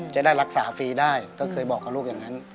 จะได้รักษาฟรีได้ก็เคยบอกกับลูกอย่างนั้น